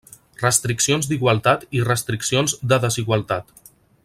Restriccions d'igualtat i restriccions de desigualtat.